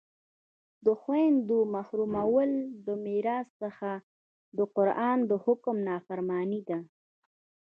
د خویندو محرومول د میراث څخه د قرآن د حکم نافرماني ده